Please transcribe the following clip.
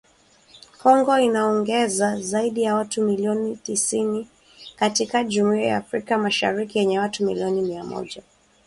Kongo inaongeza zaidi ya watu milioni tisini katika Jumuiya ya Afrika Mashariki yenye watu milioni mia moja sabini na saba.